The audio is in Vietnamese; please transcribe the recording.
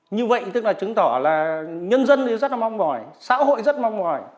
như vậy tức là chứng tỏ là nhân dân thì rất là mong mỏi xã hội rất mong mỏi